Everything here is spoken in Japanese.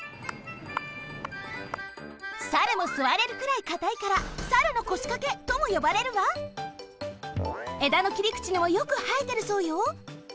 サルもすわれるくらいかたいから「サルノコシカケ」ともよばれるがえだのきりくちにもよくはえてるそうよ。